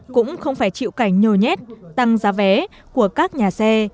cũng không phải chịu cảnh nhồi nhét tăng giá vé của các nhà xe